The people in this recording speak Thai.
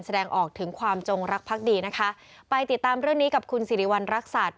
แสดงออกถึงความจงรักพักดีนะคะไปติดตามเรื่องนี้กับคุณสิริวัณรักษัตริย